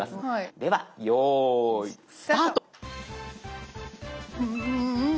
では用意スタート。